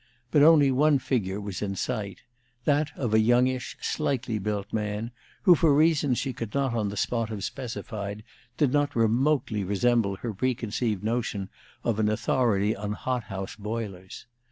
But only one figure was in sight, that of a youngish, slightly built man, who, for reasons she could not on the spot have specified, did not remotely resemble her preconceived notion of an authority on hot house boilers.